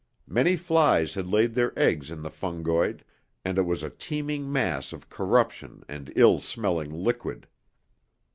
Many flies had laid their eggs in the fungoid, and it was a teeming mass of corruption and ill smelling liquid.